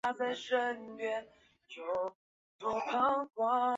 近优越虎耳草为虎耳草科虎耳草属下的一个种。